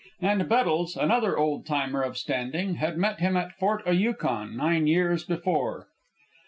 And Bettles, another old timer of standing, had met him at Fort o' Yukon nine years before.